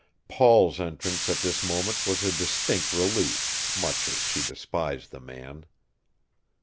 Paul's entrance at this moment was a distinct relief, much as she despised the man.